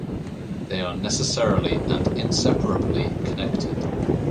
They are necessarily and inseparably connected.